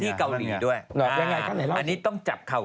ะเข้าใช่ค่ะ